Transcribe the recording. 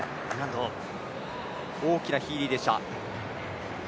大きなヒーリーでした。